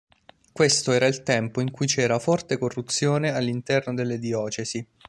Questo era il tempo in cui c'era forte corruzione all'interno delle diocesi.